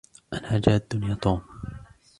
أنا جادٌّ يا توم.